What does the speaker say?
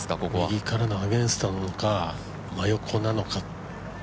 右からのアゲンストなのか真横なのか。